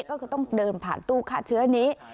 ก็คือต้องเดินผ่านตู้ฆ่าเชื้อนี้